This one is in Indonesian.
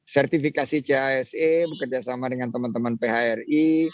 sertifikasi chse bekerjasama dengan teman teman phri